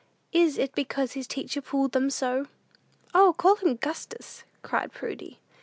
Is it because his teacher pulled them so?" "O, call him 'Gustus,'" cried Prudy.